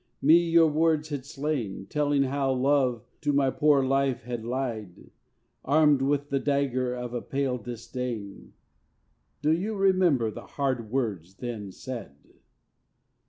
me, your words had slain, Telling how love to my poor life had lied, Armed with the dagger of a pale disdain. Do you remember the hard words then said?